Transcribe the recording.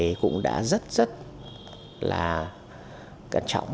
thì cũng đã rất rất là cẩn trọng